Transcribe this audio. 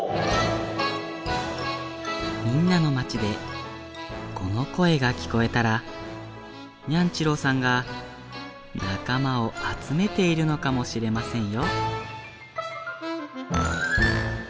みんなのまちでこのこえがきこえたらニャンちろうさんがなかまをあつめているのかもしれませんよ。